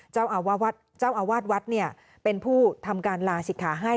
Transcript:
เจ้าอาวาสวัดเนี่ยเป็นผู้ทำการลาศิกขาให้